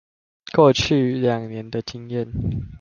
過去兩年的經驗